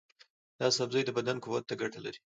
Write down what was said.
دا سبزی د بدن قوت ته ګټه لري.